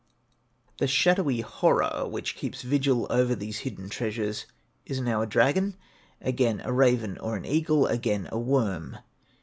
The shadowy Horror which keeps vigil over these hidden treasures is now a dragon, again a raven or an eagle, again a worm.